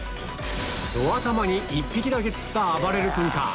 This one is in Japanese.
ど頭に１匹だけ釣ったあばれる君か？